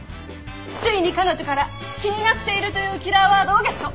ついに彼女から「気になっている」というキラーワードをゲット。